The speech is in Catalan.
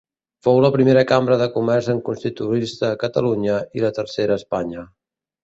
Fou la primera cambra de comerç en constituir-se a Catalunya, i la tercera a Espanya.